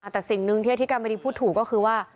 แต่สิ่งหนึ่งที่อธิการบดีพูดถูกก็คือว่า